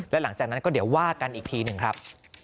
และหลังจากนั้นก็เดี๋ยวว่ากันอีกทีหนึ่งครับ